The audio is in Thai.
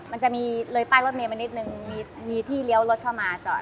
มันจะมีเลยป้ายรถเมย์มานิดนึงมีที่เลี้ยวรถเข้ามาจอด